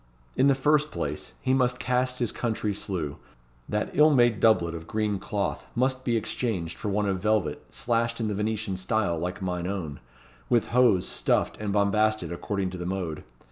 In the first place, he must cast his country slough. That ill made doublet of green cloth must be exchanged for one of velvet slashed in the Venetian style like mine own, with hose stuffed and bombasted according to the mode.